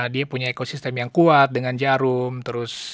dia punya ekosistem yang kuat